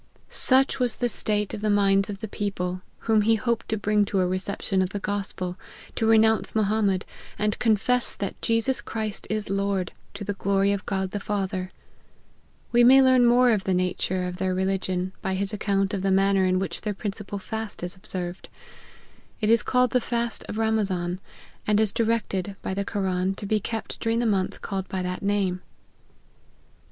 Such was the state of the minds of the people whom he hoped to bring to a reception of the gospel, to renounce Mohammed, and " confess that Jesus Christ is Lord, to the glory of God the Father !" We may learn more of the nature of their religion, by his account of the manner in which their principal fast is observed. It is called the fast of Ramazan, and is directed by the Koran to be kept during the month called by that name.